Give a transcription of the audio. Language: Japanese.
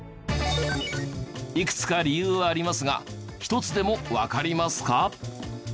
いくつか理由はありますが一つでもわかりますか？